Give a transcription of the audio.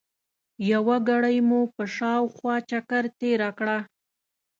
یوه ګړۍ مو په شاوخوا چکر تېره کړه.